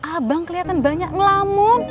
abang keliatan banyak ngelamun